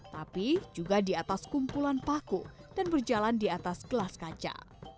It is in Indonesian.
tapi juga di atas kumpulan paku dan berjalan di atas gelas kaca